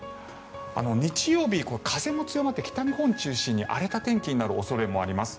日曜日、風も強まって北日本を中心に荒れた天気になる恐れもあります。